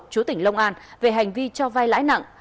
chú tỉnh long an về hành vi cho vai lãi nặng